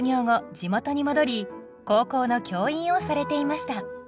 地元に戻り高校の教員をされていました。